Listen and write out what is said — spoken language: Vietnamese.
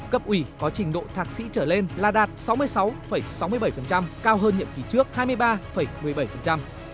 cấp ủy có trình độ thạc sĩ trở lên là đạt sáu mươi sáu sáu mươi bảy cao hơn nhiệm kỳ trước